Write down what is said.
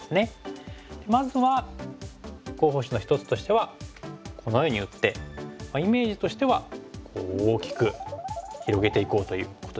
まずは候補手の一つとしてはこのように打ってイメージとしては大きく広げていこうということですね。